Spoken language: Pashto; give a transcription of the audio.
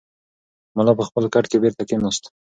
ملا په خپل کټ کې بېرته کښېناست.